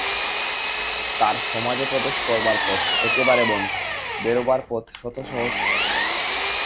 তার সমাজে প্রবেশ করবার পথ একেবারে বন্ধ, বেরোবার পথ শতসহস্র।